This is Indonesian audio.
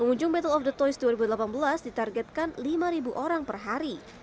pengunjung battle of the toys dua ribu delapan belas ditargetkan lima orang per hari